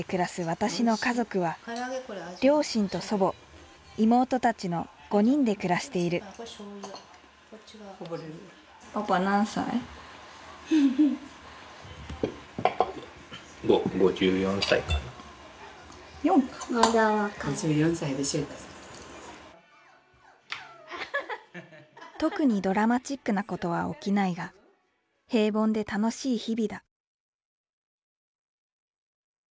私の家族は両親と祖母妹たちの５人で暮らしている特にドラマチックなことは起きないが平凡で楽しい日々だ